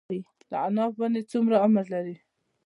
د عناب ونې څومره عمر لري؟